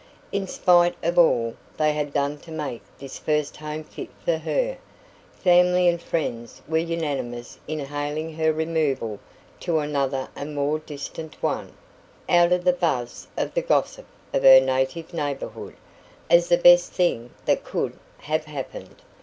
In spite of all they had done to make this first home fit for her, family and friends were unanimous in hailing her removal to another and more distant one out of the buzz of the gossip of her native neighbourhood as the best thing that could have happened.